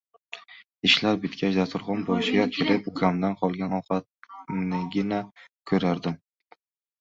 Ishlar bitgach, dasturxon boshiga kelib ukamdan qolgan ovqatnigina ko'rardim.